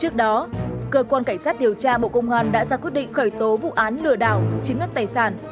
trước đó cơ quan cảnh sát điều tra bộ công an đã ra quyết định khởi tố vụ án lừa đảo chiếm đất tài sản